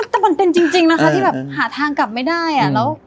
แต่มันเป็นจริงนะคะที่แบบหาทางกลับไม่ได้